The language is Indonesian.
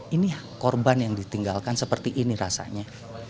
ini korban yang ditinggalkan seperti ini rasanya